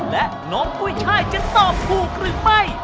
และน้องกุ้ยช่ายจะตอบถูกหรือไม่